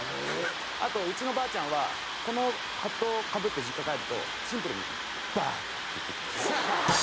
あとうちのばあちゃんはこのハットをかぶって実家帰るとシンプルに「バーカ！」って言ってきます。